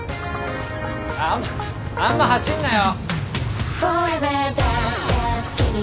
あんまあんま走んなよ。